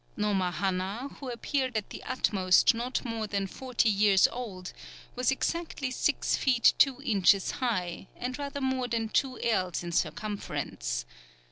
Nomahanna, who appeared at the utmost not more than forty years old, was exactly six feet two inches high, and rather more than two ells in circumference....